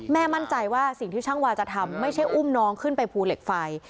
มั่นใจว่าสิ่งที่ช่างวาจะทำไม่ใช่อุ้มน้องขึ้นไปภูเหล็กไฟ